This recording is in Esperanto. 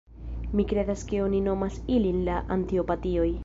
Mi kredas ke oni nomas ilin la Antipatioj.